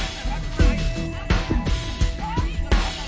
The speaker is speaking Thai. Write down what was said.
ก็ไม่งั้นตกถึงเอ้ยทำไมทุกอย่าง